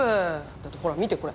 だってほら見てこれ！